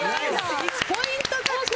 １ポイント獲得！